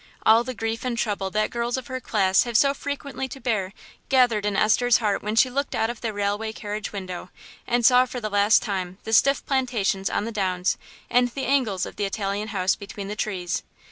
All the grief and trouble that girls of her class have so frequently to bear gathered in Esther's heart when she looked out of the railway carriage window and saw for the last time the stiff plantations on the downs and the angles of the Italian house between the trees.